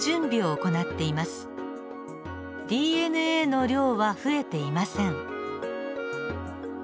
ＤＮＡの量は増えていません。